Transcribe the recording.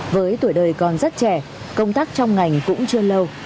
với tuổi đời còn rất trẻ công tác trong ngành cũng chưa lâu